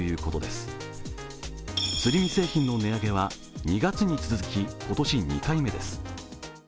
すり身製品の値上げは２月に続き今年２回目です。